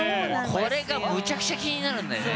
これがむちゃくちゃ気になるんだよね。